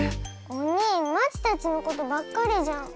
おにぃまちたちのことばっかりじゃん。